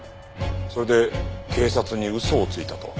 それで警察に嘘をついたと？